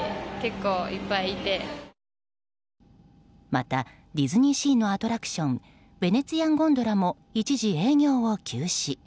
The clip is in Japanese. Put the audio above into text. また、ディズニーシーのアトラクション「ヴェネツィアン・ゴンドラ」も一時、営業を休止。